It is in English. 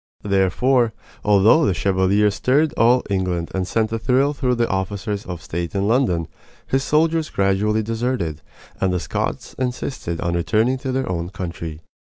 Therefore, although the Chevalier stirred all England and sent a thrill through the officers of state in London, his soldiers gradually deserted, and the Scots insisted on returning to their own country.